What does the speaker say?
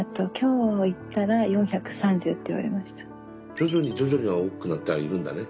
徐々に徐々には大きくなってはいるんだね。